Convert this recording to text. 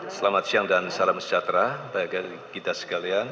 selamat siang dan salam sejahtera bagi kita sekalian